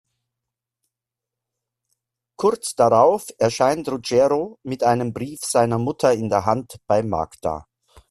Kurz darauf erscheint Ruggero mit einem Brief seiner Mutter in der Hand bei Magda.